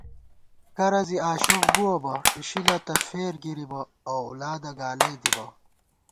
کرہ زی آشوخ بُوَہ بہ اِشِلہ تہ فېر گِرِبہ اؤلادہ گالَئی دِبہ